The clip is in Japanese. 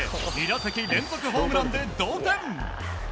２打席連続ホームランで同点！